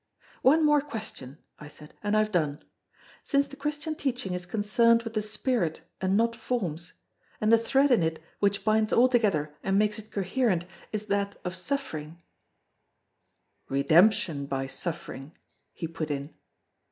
"One more question," I said, "and I have done. Since the Christian teaching is concerned with the spirit and not forms, and the thread in it which binds all together and makes it coherent, is that of suffering——" "Redemption by suffering," he put in.